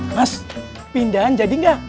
mas pindahan jadi gak